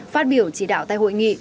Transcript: phát biểu chỉ đạo tại hội nghị